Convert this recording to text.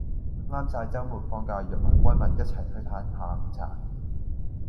啱晒週末放假約埋閨密一齊去歎下午茶